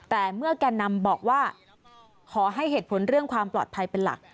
แต่เมื่อแก่นำบอกว่าขอให้เหตุผลเรื่องความปลอดภัยเป็นหลัก